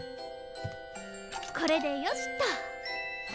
これでよしっと。